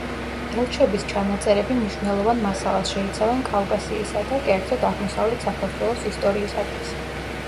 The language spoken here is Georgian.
ელჩების ჩანაწერები მნიშვნელოვან მასალას შეიცავენ კავკასიისა და, კერძოდ, აღმოსავლეთ საქართველოს ისტორიისათვის.